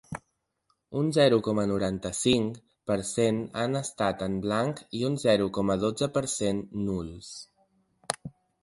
Un zero coma noranta-cinc per cent han estat en blanc i un zero coma dotze per cent nuls.